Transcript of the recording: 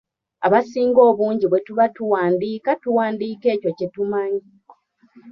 Abasinga obungi bwe tuba tuwandiika tuwandiika ekyo kye tumanyi.